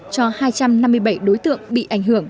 cho hai trăm năm mươi bảy đối tượng bị ảnh hưởng